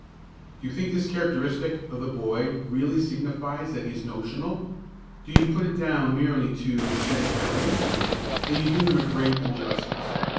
Do you think this characteristic of the boy really signifies that he is "notional"? Do you put it down merely as "finicality"? Then you do him a great injustice.